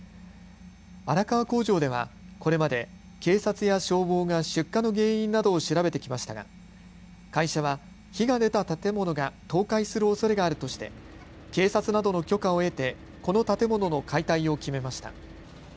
荒川工場ではこれまで警察や消防が出火の原因などを調べてきましたが会社は火が出た建物が倒壊するおそれがあるとして警察などの許可を得てこの建物の解体を決めました。